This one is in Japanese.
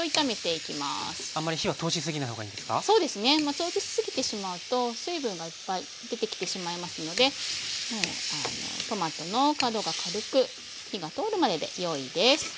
通しすぎてしまうと水分がいっぱい出てきてしまいますのでトマトの角が軽く火が通るまででよいです。